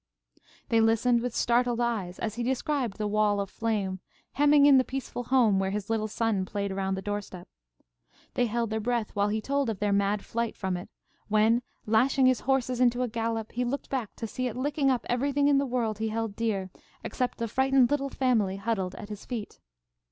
They listened with startled eyes as he described the wall of flame, hemming in the peaceful home where his little son played around the door step. They held their breath while he told of their mad flight from it, when, lashing his horses into a gallop, he looked back to see it licking up everything in the world he held dear except the frightened little family huddled at his feet.